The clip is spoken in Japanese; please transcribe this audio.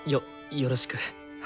よろしく。